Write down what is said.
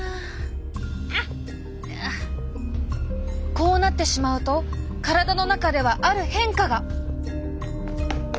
こうなってしまうと体の中ではある変化が！